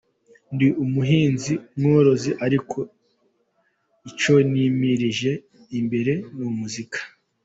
Ndi umuhinzi mworozi ariko icyo nimirije imbere ni umuziki.